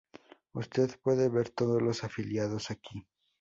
Usted puede ver todos los afiliados aquí